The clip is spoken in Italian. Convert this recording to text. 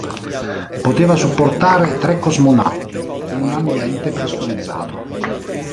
Poteva supportare tre cosmonauti in un ambiente pressurizzato.